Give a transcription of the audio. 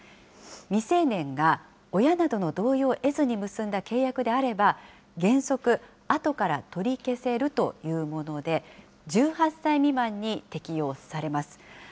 未成年が親などの同意を得ずに結んだ契約であれば、原則、あとから取り消せるというもので、１８歳未満に適用されます。